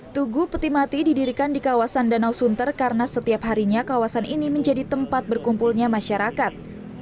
tugu peti mati didirikan di kawasan danau sunter karena setiap harinya kawasan ini menjadi tempat berkumpulnya masyarakat